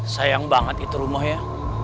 sayang banget itu rumah ya